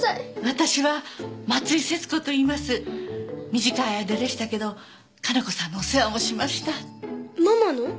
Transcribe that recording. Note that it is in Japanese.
私は町井節子といいます短い間でしたけど加奈子さんのお世話もしましたママの？